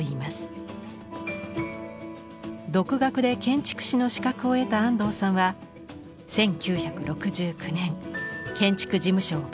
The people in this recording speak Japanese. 独学で建築士の資格を得た安藤さんは１９６９年建築事務所を開設。